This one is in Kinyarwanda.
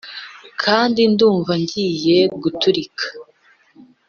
kandi ndumva ngiye guturika,